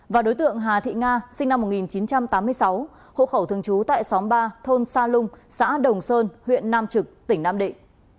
và đối tượng hà thị nga sinh năm một nghìn chín trăm tám mươi sáu hộ khẩu thường trú tại xóm ba thôn sa lung xã đồng sơn huyện nam trực tỉnh nam định